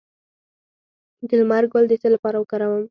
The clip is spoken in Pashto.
د لمر ګل د څه لپاره وکاروم؟